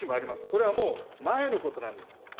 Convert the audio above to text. それはもう前のことなんです。